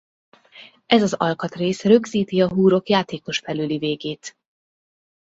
Ez az alkatrész rögzíti a húrok játékos felőli végét.